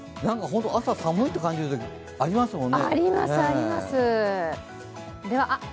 朝寒いと感じるときありますもんね。